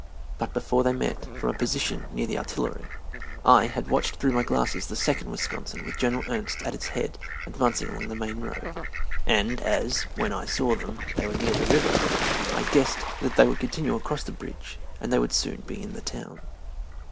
But before they met, from a position near the artillery, I had watched through my glasses the Second Wisconsin with General Ernst at its head advancing along the main road, and as, when I saw them, they were near the river, I guessed they would continue across the bridge and that they soon would be in the town.